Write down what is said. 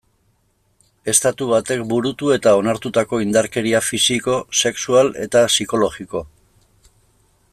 Estatu batek burutu eta onartutako indarkeria fisiko, sexual eta psikologiko.